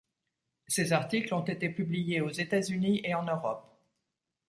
Ses articles ont été publiés aux États-Unis et en Europe.